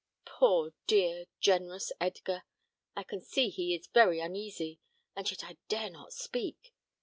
Poor, dear, generous Edgar! I can see he is very uneasy, and yet I dare not speak.